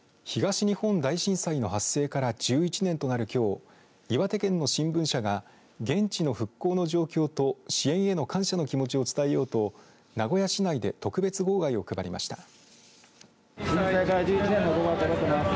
東日本大震災の発生から１１年となるきょう岩手県の新聞社が現地の復興の状況と支援への感謝の気持ちを伝えようと名古屋市内で特別号外を配りました。